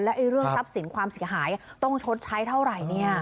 เรื่องทรัพย์สินความเสียหายต้องชดใช้เท่าไหร่เนี่ย